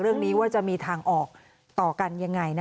เรื่องนี้ว่าจะมีทางออกต่อกันยังไง